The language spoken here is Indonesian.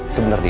itu bener dia